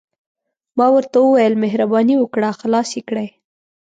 ما ورته وویل: مهرباني وکړه، خلاص يې کړئ.